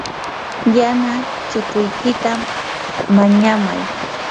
yana chukuykita mañamay.